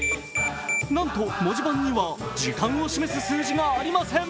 なんと、文字盤には時間を示す数字がありません。